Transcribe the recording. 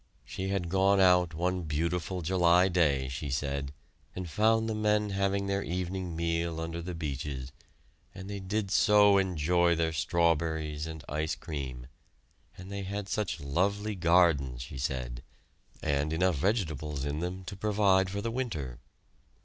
She had gone out one beautiful July day, she said, and found the men having their evening meal under the beeches, and they did so enjoy their strawberries and ice cream; and they had such lovely gardens, she said, and enough vegetables in them to provide for the winter.